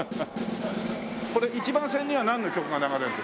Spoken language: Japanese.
これ１番線にはなんの曲が流れるんですか？